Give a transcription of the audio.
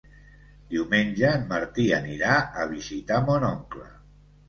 Diumenge en Martí anirà a visitar mon oncle.